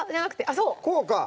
そうこうか！